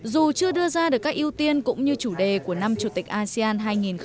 dù chưa đưa ra được các ưu tiên cũng như chủ đề của năm chủ tịch asean hai nghìn hai mươi